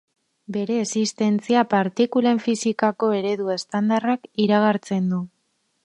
Bere existentzia partikulen fisikako eredu estandarrak iragartzen du.